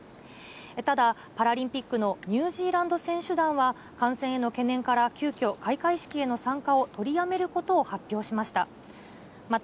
ただ、パラリンピックのニュージーランド選手団は感染への懸念から急きょ、開会式への参加を取りやめることを発表しました。